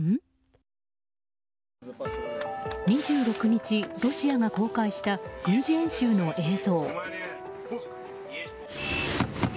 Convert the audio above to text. ２６日、ロシアが公開した軍事演習の映像。